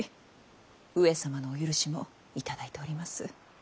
上様のお許しも頂いております。